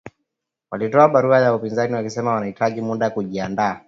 Walitoa barua kwa upinzani wakisema wanahitaji muda kujiandaa